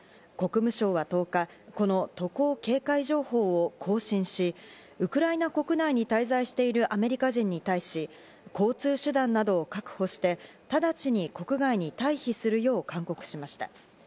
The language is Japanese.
国務省は１０日、この渡航警戒情報を更新し、ウクライナ国内に滞在しているアメリカ人に対し、交通手段などを確保して直ちに国外に退避するよう勧告しました。